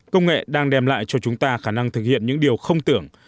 công nghệ đang đem lại cho chúng ta khả năng thực hiện những điều không tưởng